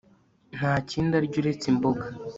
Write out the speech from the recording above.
Nta kindi arya uretse imboga